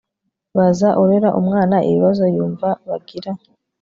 baza urera umwana ibibazo yumva bagira